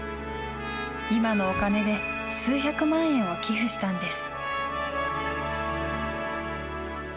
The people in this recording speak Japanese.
今のお金で数百万円を寄付したんです。